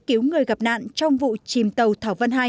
cứu người gặp nạn trong vụ chìm tàu thảo văn hai